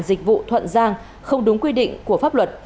dịch vụ thuận giang không đúng quy định của pháp luật